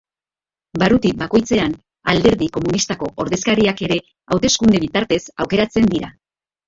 Barruti bakoitzean Alderdi Komunistako ordezkariak ere hauteskunde bitartez aukeratzen dira.